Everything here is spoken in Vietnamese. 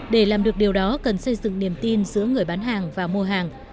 để làm được điều đó cần xây dựng niềm tin giữa người bán hàng và mua hàng